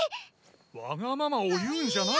わがままを言うんじゃない！